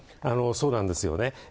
そうなんですよね。